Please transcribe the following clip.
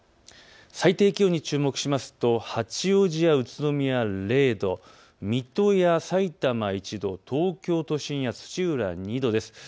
最低気温に注目しますと八王子や宇都宮０度、水戸やさいたま１度東京都心や、土浦２度です。